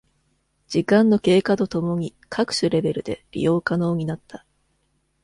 時間の経過とともに各種レベルで利用可能になった。